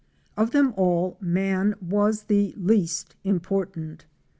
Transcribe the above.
Of them all, man was the least important.